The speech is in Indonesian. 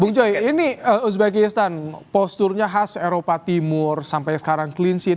bung joy ini uzbekistan posturnya khas eropa timur sampai sekarang cleansit